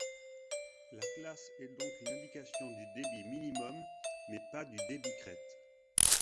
La classe est donc une indication du débit minimum mais pas du débit crête.